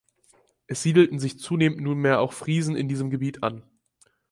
Es siedelten sich zunehmend nunmehr auch Friesen in diesem Gebiet an.